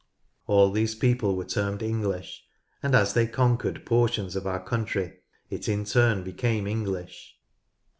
All these people were termed English, and as they conquered portions of our country it in turn became English.